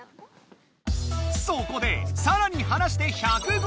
そこでさらにはなして１５０ｍ！